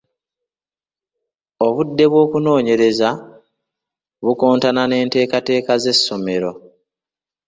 Obudde bw’okunoonyereza bukontana n’enteekateeka z’essomero.